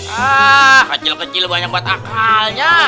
ah kecil kecil banyak buat akalnya